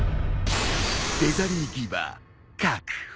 フェザリーギバー確保。